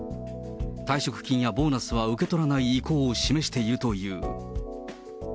退職金やボーナスは受け取らない意向を示しているという。